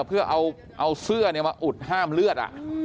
เพื่อเอาเสื้อมาอุดห้ามเลือด